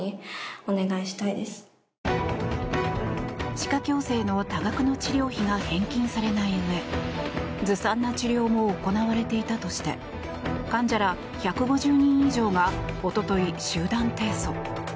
歯科矯正の多額の治療費が返金されないうえずさんな治療も行われていたとして患者ら１５０人以上が一昨日、集団提訴。